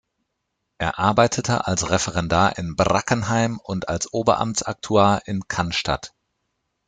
Er arbeitete als Referendar in Brackenheim und als Oberamtsaktuar in Cannstatt.